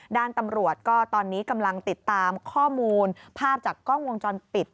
ด้านตำรวจก็ตอนนี้กำลังติดตามข้อมูลภาพจากกล้องวงจรปิด